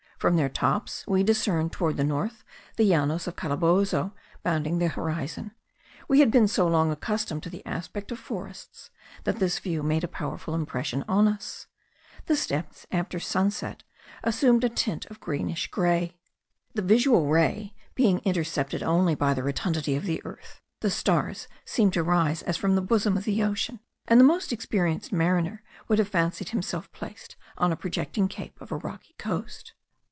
From their tops we discerned towards the north the Llanos of Calabozo bounding the horizon. We had been so long accustomed to the aspect of forests, that this view made a powerful impression on us. The steppes after sunset assume a tint of greenish gray. The visual ray being intercepted only by the rotundity of the earth, the stars seemed to rise as from the bosom of the ocean, and the most experienced mariner would have fancied himself placed on a projecting cape of a rocky coast.